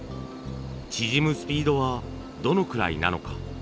縮むスピードはどのくらいなのか。